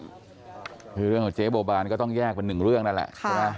คือเรื่องของเจ๊บัวบานก็ต้องแยกเป็นหนึ่งเรื่องนั่นแหละใช่ไหม